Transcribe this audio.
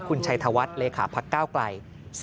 คุณชัยธวัฒน์เลขาพักก้าวไกล